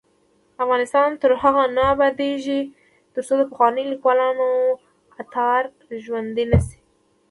افغانستان تر هغو نه ابادیږي، ترڅو د پخوانیو لیکوالانو اثار ژوندي نشي.